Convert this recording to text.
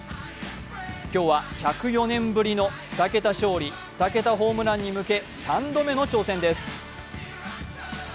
今日は１０４年ぶりの２桁勝利・２桁ホームランに向け３度目の挑戦です。